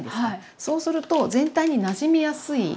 そうすると全体になじみやすい。